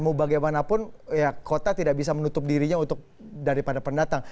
mau bagaimanapun ya kota tidak bisa menutup dirinya untuk daripada pendatang